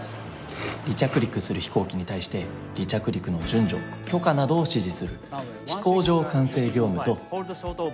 離着陸する飛行機に対して離着陸の順序許可などを指示する飛行場管制業務と。